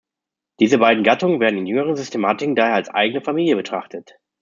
Diese beiden Gattungen werden in jüngeren Systematiken daher als eigene Familien betrachtet.